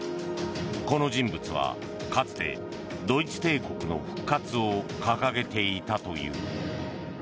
この人物はかつてドイツ帝国の復活を掲げていたという。